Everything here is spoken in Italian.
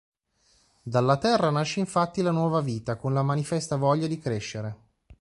Dalla terra nasce infatti la nuova vita, con la manifesta voglia di crescere.